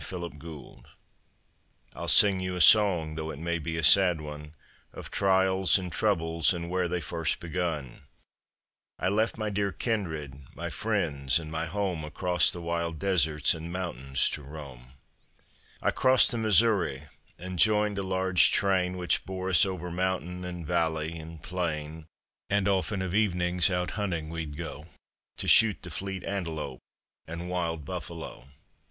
SIOUX INDIANS I'll sing you a song, though it may be a sad one, Of trials and troubles and where they first begun; I left my dear kindred, my friends, and my home, Across the wild deserts and mountains to roam. I crossed the Missouri and joined a large train Which bore us over mountain and valley and plain; And often of evenings out hunting we'd go To shoot the fleet antelope and wild buffalo.